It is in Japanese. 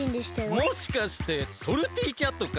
もしかしてソルティキャットか？